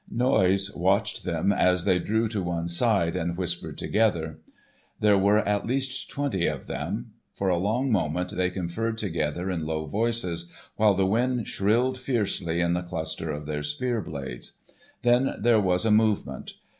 Noise watched them as they drew to one side and whispered together. There were at least twenty of them. For a long moment they conferred together in low voices, while the wind shrilled fiercely in the cluster of their spear blades. Then there was a movement.